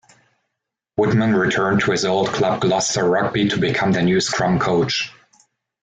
Woodman returned to his old club Gloucester Rugby to become their new Scrum Coach.